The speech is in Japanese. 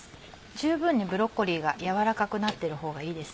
十分にブロッコリーが軟らかくなってるほうがいいです。